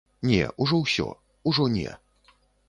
Не, ужо ўсё, ужо не.